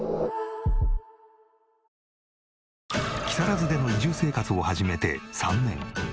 木更津での移住生活を始めて３年。